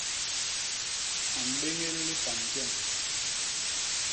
A mbéñél lipan jem.